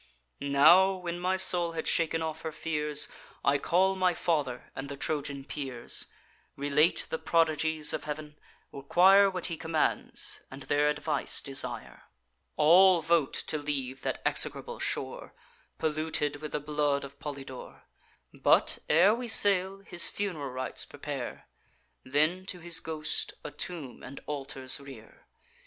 Now, when my soul had shaken off her fears, I call my father and the Trojan peers; Relate the prodigies of Heav'n, require What he commands, and their advice desire. All vote to leave that execrable shore, Polluted with the blood of Polydore; But, ere we sail, his fun'ral rites prepare, Then, to his ghost, a tomb and altars rear.